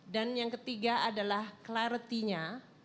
dan yang ketiga adalah clarity nya